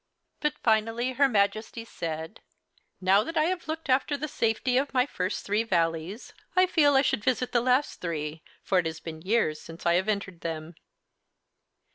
But finally her Majesty said, "Now that I have looked after the safety of my first three Valleys, I feel I should visit the last three, for it has been years since I have entered them."